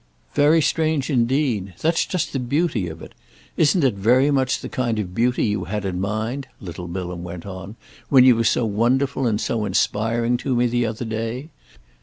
"Very strange indeed. That's just the beauty of it. Isn't it very much the kind of beauty you had in mind," little Bilham went on, "when you were so wonderful and so inspiring to me the other day?